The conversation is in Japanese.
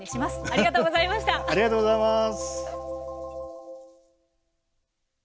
ありがとうございます。